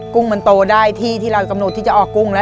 กุ้งมันโตได้ที่ที่เรากำหนดที่จะออกกุ้งแล้ว